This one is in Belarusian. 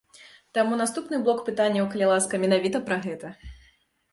Таму наступны блок пытанняў, калі ласка, менавіта пра гэта.